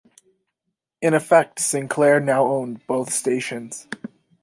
In effect, Sinclair now owned both stations.